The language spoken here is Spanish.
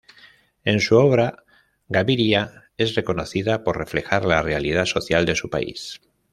En su obra, Gaviria es reconocido por reflejar la realidad social de su país.